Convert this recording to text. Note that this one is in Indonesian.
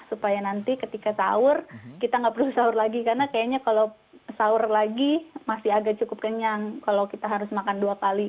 supaya nanti ketika sahur kita nggak perlu sahur lagi karena kayaknya kalau sahur lagi masih agak cukup kenyang kalau kita harus makan dua kali